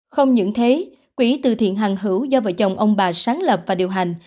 không những thế quỹ từ thiện hằng hữu do vợ chồng ông bà sáng lập và điều hành